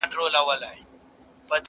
پر کلیو، پر ښارونو یې ځالۍ دي غوړولي!